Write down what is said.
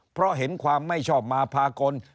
เพราะเห็นความไม่ชอบมาพากล